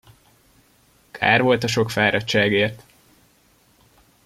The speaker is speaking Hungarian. Kár volt a sok fáradságért!